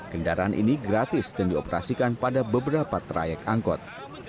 kendaraan ini gratis dan dioperasikan pada beberapa trayek angkot